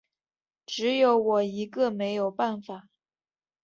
只有我一个没有办法